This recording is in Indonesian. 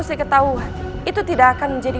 saya ketahuan itu tidak akan menjadi